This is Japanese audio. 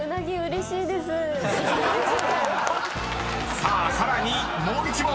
［さあさらにもう１問。